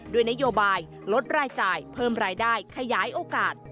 ด้วยนโยบายลดรายจ่ายเพิ่มรายได้ขยายโอกาส